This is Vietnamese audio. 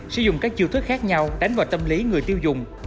sử dụng các chiêu thức khác nhau đánh vào tâm lý người tiêu dùng